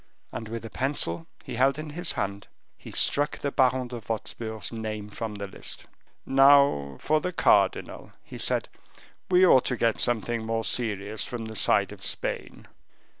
And with a pencil he held in his hand, he struck the Baron de Wostpur's name from the list. "Now for the cardinal," he said; "we ought to get something more serious from the side of Spain."